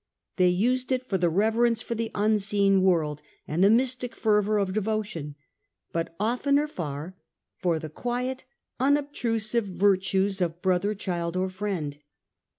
They used it for the reverence for the unseen world and the mystic fervour of devotion ; but oftener far for the quiet unobtrusive vir tues of brother, child, or friend.